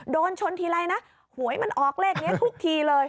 โดนชนทีไรนะหวยมันออกเลขนี้ทุกทีเลย